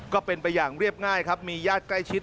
ก็เป็นไปอย่างเรียบง่ายครับมีญาติใกล้ชิด